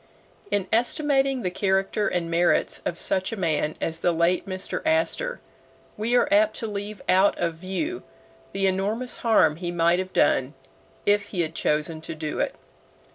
In estimating the character and merits of such a man as the late Mr. Astor, we are apt to leave out of view the enormous harm he might have done if he had chosen to do it.